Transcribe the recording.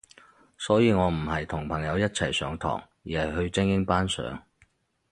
所以我唔係同朋友一齊上堂，而係去精英班上